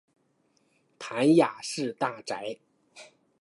谭雅士大宅。